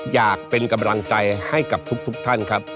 อยากเป็นกำลังใจให้กับทุกท่านครับ